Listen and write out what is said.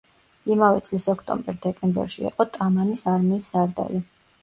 იმავე წლის ოქტომბერ-დეკემბერში იყო ტამანის არმიის სარდალი.